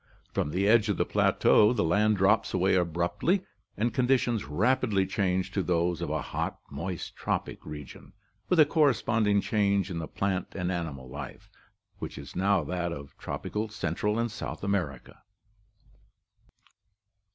From the edge of the plateau the land drops away abruptly and conditions rapidly change to those of a hot, moist, tropical region, CEOGRAPHIC DISTRIBUTION 51 with a corresponding change in the plant and animal life, which is now that of tropical Central and South America.